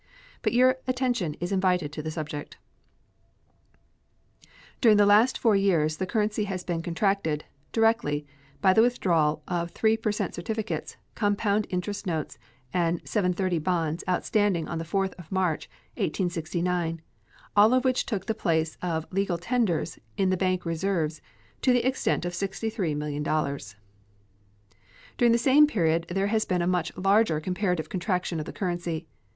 But your attention is invited to the subject. During the last four years the currency has been contracted, directly, by the withdrawal of 3 per cent certificates, compound interest notes, and "seven thirty" bonds outstanding on the 4th of March, 1869, all of which took the place of legal tenders in the bank reserves to the extent of $63,000,000. During the same period there has been a much larger comparative contraction of the currency.